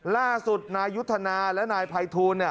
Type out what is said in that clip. ล่าสุดนายยุทธนาและนายภัยทูล